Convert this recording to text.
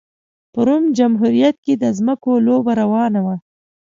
په روم جمهوریت کې د ځمکو لوبه روانه وه